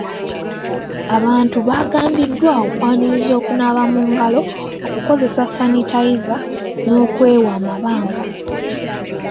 Abantu baagambibwa okwaniriza okunaaba mu ngalo, okukozesa sanitayiza n'okwewa amabanga.